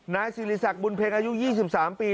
นายสิริสักบุญเพ็งอายุ๒๓ปี